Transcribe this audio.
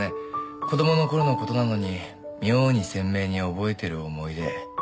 子どもの頃の事なのに妙に鮮明に覚えてる思い出。